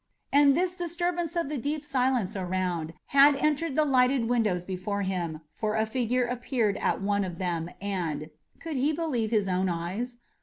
And this disturbance of the deep silence around had entered the lighted windows before him, for a figure appeared at one of them, and could he believe his own eyes?